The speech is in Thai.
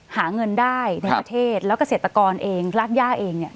หาเงินได้ในประเทศแล้วเกษตรกรเองรากย่าเองเนี่ย